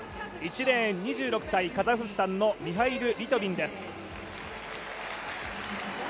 １レーン、２６歳カザフスタンのミハイル・リトビンです。